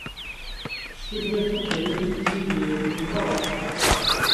S tutlayt taqbaylit i nettdiri meṛṛa.